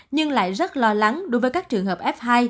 nhưng lại rất lo lắng đối với các trường hợp f hai